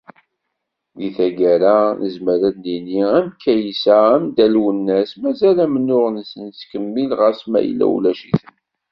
Di taggara, nezmer ad d-nini, am Kaysa, am Dda Lwennas, mazal amennuɣ-nsen yettkemmil ɣas ma yella ulac-iten.